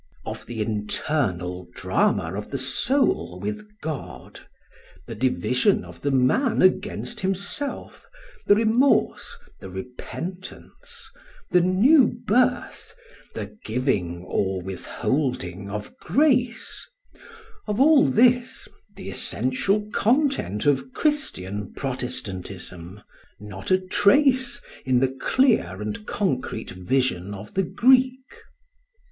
Of the internal drama of the soul with God, the division of the man against himself, the remorse, the repentance, the new birth, the giving or withholding of grace of all this, the essential content of Christian Protestantism, not a trace in the clear and concrete vision of the Greek.